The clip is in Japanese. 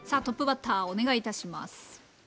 トップバッターお願いいたします。